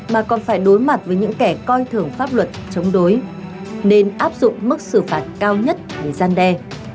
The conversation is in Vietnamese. mà còn phải đối mặt với những kẻ coi thường pháp luật chống đối nên áp dụng mức xử phạt cao nhất để gian đe